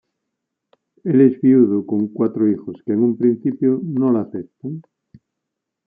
Él es viudo, con cuatro hijos que en un principio no la aceptan.